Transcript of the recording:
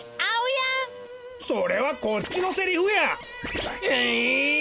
それはこっちのセリフや！